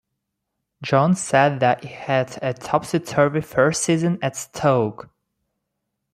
Jones said that he had a 'topsy-turvy' first season at Stoke.